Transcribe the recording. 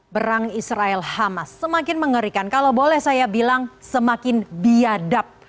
perang israel hamas semakin mengerikan kalau boleh saya bilang semakin biadab